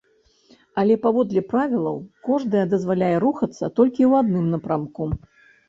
Але, паводле правілаў, кожная дазваляе рухацца толькі ў адным напрамку.